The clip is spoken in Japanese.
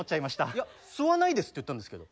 いや「吸わないです」って言ったんですけど。